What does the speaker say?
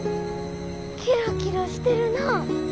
キラキラしてるな。